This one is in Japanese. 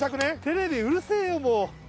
レビうるせえよもう。